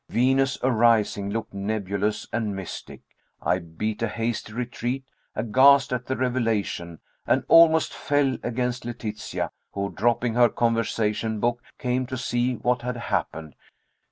'Venus arising' looked nebulous, and mystic. I beat a hasty retreat, aghast at the revelation, and almost fell against Letitia, who, dropping her conversation book, came to see what had happened.